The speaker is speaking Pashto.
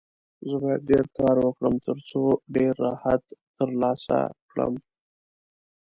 زه باید ډېر کار وکړم، ترڅو ډېر راحت ترلاسه کړم.